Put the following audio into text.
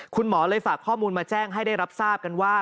คุณหมอเลยฝากข้อมูลมาแจ้งให้ได้รับทราบกันว่า